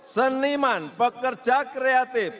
seniman pekerja kreatif